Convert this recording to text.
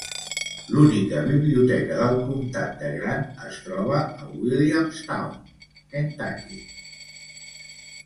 L'única biblioteca del comtat de Grant es troba a Williamstown, Kentucky.